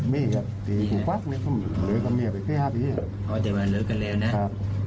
ไม่อีกครับเดี๋ยวมันเหลือกันแล้วนะ